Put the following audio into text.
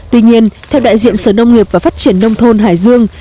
tuy nhiên theo đại diện sở nông nghiệp và phát triển nông thôn hải dương